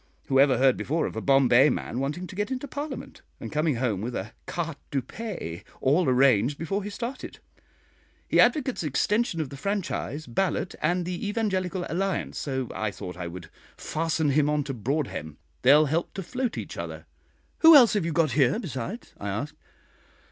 Who ever heard before of a Bombay man wanting to get into Parliament, and coming home with a carte du pays all arranged before he started? He advocates extension of the franchise, ballot, and the Evangelical Alliance, so I thought I would fasten him on to Broadhem they'll help to float each other." "Who else have you got here besides?" I asked.